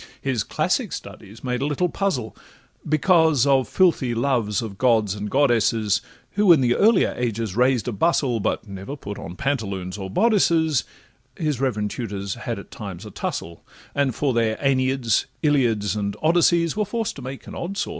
His classic studies made a little puzzle, Because of filthy loves of gods and goddesses, Who in the earlier ages raised a bustle, But never put on pantaloons or bodices; His reverend tutors had at times a tussle, And for their AEneids, Iliads, and Odysseys, Were forced to make an odd sort!